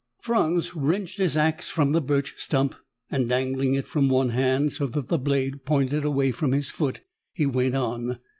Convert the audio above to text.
Franz wrenched his ax from the birch stump, and, dangling it from one hand so that the blade pointed away from his foot, he went on.